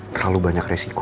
terlalu banyak resiko